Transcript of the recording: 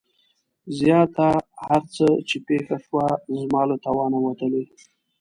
زياته هر څه چې پېښه شوه زما له توانه وتلې.